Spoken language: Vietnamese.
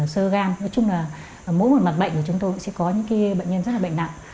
sơ gam nói chung là mỗi một mặt bệnh của chúng tôi sẽ có những bệnh nhân rất là bệnh nặng